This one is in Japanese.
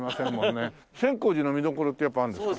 千光寺の見どころってやっぱあるんですか？